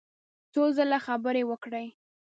څو ځله خبرې وکړې.